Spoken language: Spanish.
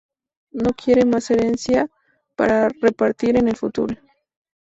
No quiere más herencia para repartir en el futuro.